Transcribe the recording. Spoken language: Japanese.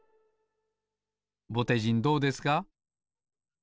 ぼてじんどうですか？